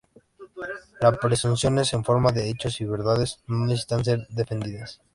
Las presunciones en forma de hechos y verdades no necesitan ser defendidas.